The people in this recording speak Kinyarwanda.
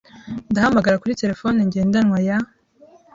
Ndahamagara kuri terefone ngendanwa ya .